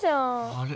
あれ？